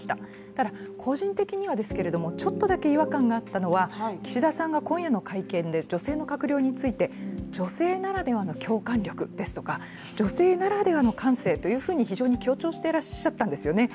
ただ、個人的にはですけれどもちょっとだけ違和感があったのが岸田さんが今夜の会見で、女性の閣僚について女性ならではの共感力ですとか女性ならではの感性というふうに非常に強調していらっしゃったんですよね。